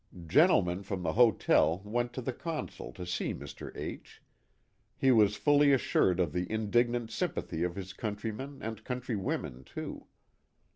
Gentlemen from the hotel went with the Con sul to see Mr. H . He was fully assured of the indignant sympathy of his countrymen and countrywomen too.